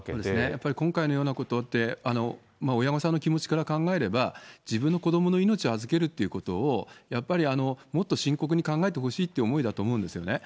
やっぱり今回のようなことって、親御さんの気持ちから考えれば、自分の子どもの命を預けるっていうことを、やっぱりもっと深刻に考えてほしいという思いだと思うんですよね。